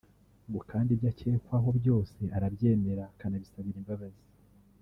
ngo kandi ibyo akekwaho byose arabyemera akanabisabira imbabazi